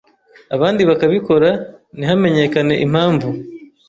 abandi bakabikora ntihamenyekane impamvu